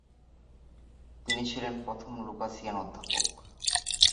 তিনি ছিলেন প্রথম লুকাসিয়ান অধ্যাপক।